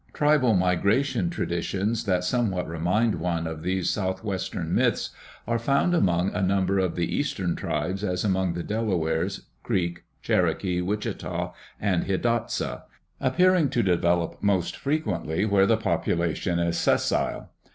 Tribal migration traditions that somewhat remind one of these southwestern myths are found among a number of the eastern tribes, as among the Delaware, Creek, Cherokee, Wichita, and Hidatsa, appearing to develop most frequently where the popula tion is sessile.